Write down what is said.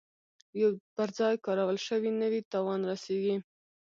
پر ځای کارول شوي نه وي تاوان رسیږي.